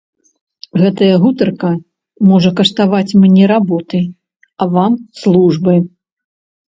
Гэтая гутарка можа каштаваць мне работы, а вам службы.